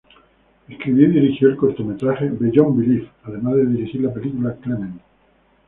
Escribió y dirigió el cortometraje "Beyond Belief", además de dirigir la película "Clement".